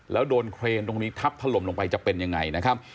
แล้วโดนเครนตรงนี้ทับถล่มลงไปจะเป็นยังไงนะครับ